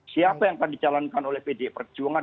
siapa yang akan dicalonkan oleh pdi perjuangan